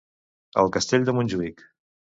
al castell de Montjuïc